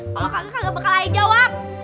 kalau kagak kagak bakal aja jawab